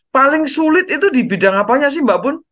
paling sulit itu di bidang apanya sih mbak pun